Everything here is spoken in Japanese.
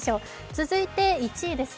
続いて１位です。